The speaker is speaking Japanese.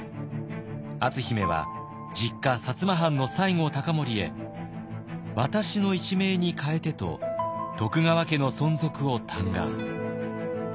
篤姫は実家薩摩藩の西郷隆盛へ「私の一命に代えて」と徳川家の存続を嘆願。